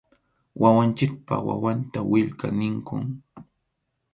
Wawanchikpa wawanta willka ninkum.